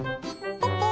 ポッポー。